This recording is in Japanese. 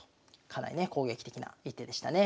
かなりね攻撃的な一手でしたね。